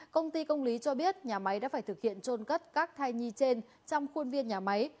công ty công lý cho biết nhà máy đã phải thực hiện trôn cất các thai nhi trên trong khuôn viên nhà máy